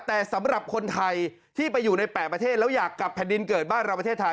แต่สำหรับคนไทยที่ไปอยู่ใน๘ประเทศแล้วอยากกลับแผ่นดินเกิดบ้านเราประเทศไทย